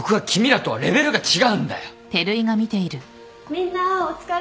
みんなお疲れ。